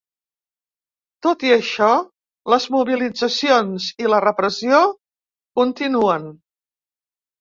Tot i això, les mobilitzacions i la repressió continuen.